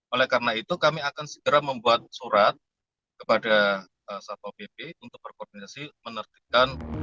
oleh karena itu kami akan segera membuat surat kepada satwa pp untuk berkoordinasi menertibkan